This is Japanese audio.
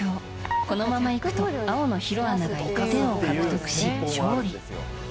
このままいくと青の弘アナが１点を獲得し勝利。